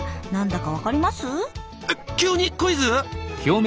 えっ急にクイズ？